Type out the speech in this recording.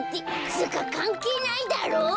つうかかんけいないだろう。